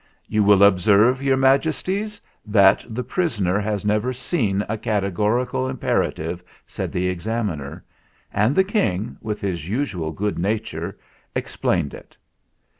"You will observe, Your Majesties, that the prisoner has never seen a categorical impera tive," said the Examiner; and the King, with his usual good nature, explained it.